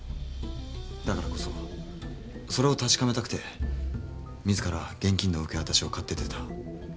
だからこそそれを確かめたくて自ら現金の受け渡しを買って出た。